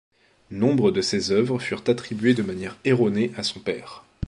Nombre de ces œuvres furent attribuées de manière erronée à son père.